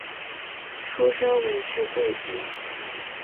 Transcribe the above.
出身韦氏贵族。